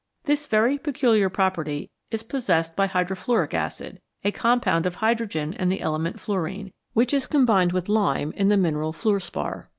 This veiy peculiar property is possessed by hydrofluoric acid, a compound of hydrogen and the element fluorine, which is combined with lime in the mineral fluorspar.